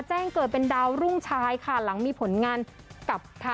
จริงออร่ามาเลย